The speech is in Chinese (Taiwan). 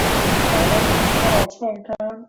臺灣民報創刊